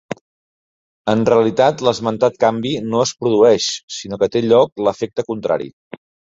En realitat l'esmentat canvi no es produeix, sinó que té lloc l'efecte contrari.